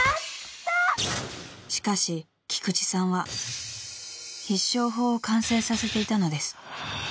［しかし菊地さんは必勝法を完成させていたのです］